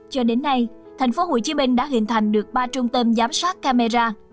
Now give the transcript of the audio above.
cho đến nay thành phố hồ chí minh đã hình thành được ba trung tâm giám sát camera